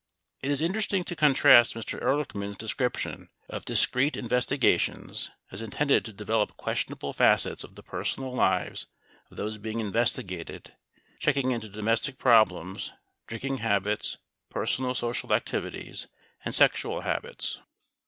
It is interesting to contrast Mr. Ehrlichman's description of dis creet investigations, as intended to develop questionable facets of the personal lives of those being investigated, checking into domestic prob lems, drinking habits, personal social activities, and sexual habits.